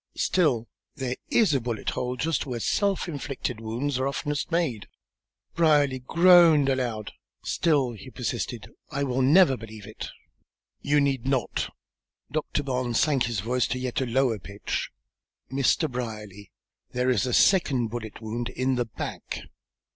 "Still, there is a bullet hole just where self inflicted wounds are oftenest made." Brierly groaned aloud. "Still," he persisted, "I will never believe it." "You need not." Doctor Barnes sank his voice to a yet lower pitch. "Mr. Brierly, there is a second bullet wound in the back!"